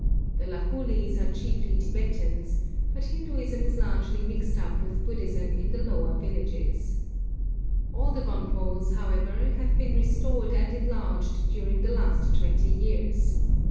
The Lahulis are chiefly Tibetans, but Hinduism is largely mixed up with Buddhism in the lower villages. All the gonpos, however, have been restored and enlarged during the last twenty years.